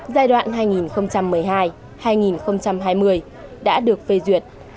giai đoạn hai nghìn một mươi hai hai nghìn hai mươi đã được phê duyệt